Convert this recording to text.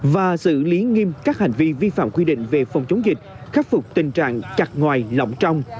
và xử lý nghiêm các hành vi vi phạm quy định về phòng chống dịch khắc phục tình trạng chặt ngoài lỏng trong